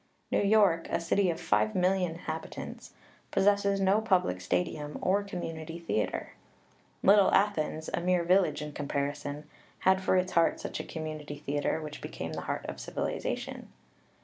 New York, a city of five million inhabitants, possesses no public stadium or community theatre. Little Athens, a mere village in comparison, had for its heart such a community theatre, which became the heart of civilization.